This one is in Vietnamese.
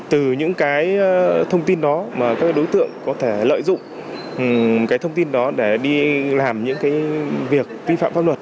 từ những thông tin đó các đối tượng có thể lợi dụng thông tin đó để đi làm những việc vi phạm pháp luật